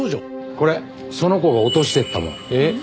これその子が落としていったもの。